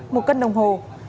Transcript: một cân đồng hồ